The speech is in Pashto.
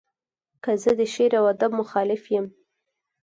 که زه د شعر و ادب مخالف یم.